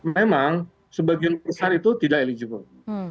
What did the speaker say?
memang sebagian besar itu tidak eligible